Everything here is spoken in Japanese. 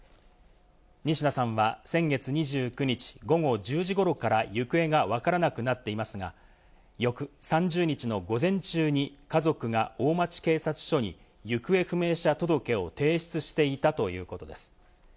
仁科さんは先月２９日午後１０時ごろから行方がわからなくなっていますが、翌３０日の午前中に家族が大町警察署に行方不明者届を提出していたということです。